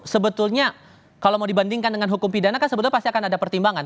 sebetulnya kalau mau dibandingkan dengan hukum pidana kan sebetulnya pasti akan ada pertimbangan